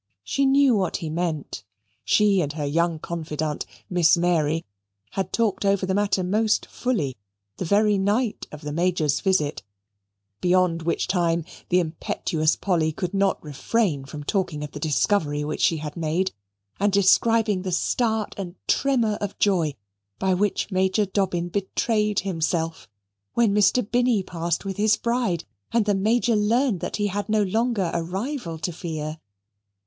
She knew what he meant. She and her young confidante, Miss Mary, had talked over the matter most fully, the very night of the Major's visit, beyond which time the impetuous Polly could not refrain from talking of the discovery which she had made, and describing the start and tremor of joy by which Major Dobbin betrayed himself when Mr. Binny passed with his bride and the Major learned that he had no longer a rival to fear.